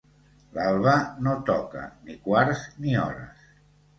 L'Alba no toca ni quarts ni hores.